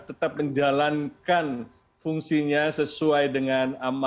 tetap menjalankan fungsinya sesuai dengan keinginan kita